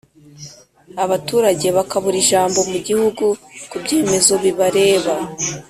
abaturage bakabura ijambo mu gihugu ku byemezo bibareba